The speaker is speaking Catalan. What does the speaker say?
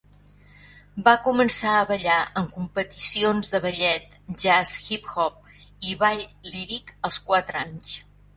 Va començar a ballar en competicions de ballet, jazz, hip hop i ball líric als quatre anys.